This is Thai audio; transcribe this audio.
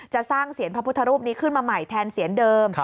สร้างเสียงพระพุทธรูปนี้ขึ้นมาใหม่แทนเสียนเดิม